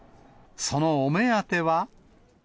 そのお目当ては。